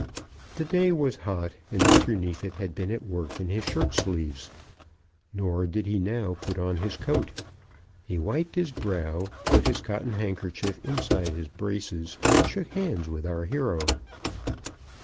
The day was hot, and Mr. Neefit had been at work in his shirt sleeves. Nor did he now put on his coat. He wiped his brow, put his cotton handkerchief inside his braces, and shook hands with our hero.